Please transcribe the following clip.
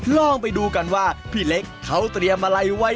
ลองไปดูกันว่าพี่เล็กเขาเตรียมอะไรไว้